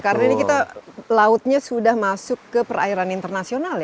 karena ini kita lautnya sudah masuk ke perairan internasional ya